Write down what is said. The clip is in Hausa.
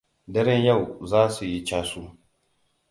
Daren yau za su yi casu.